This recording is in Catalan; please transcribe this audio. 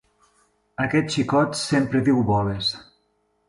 Aquest xicot sempre diu boles.